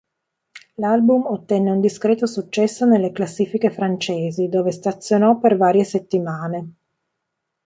L'album ottenne un discreto successo nelle classifiche francesi, dove stazionò per varie settimane.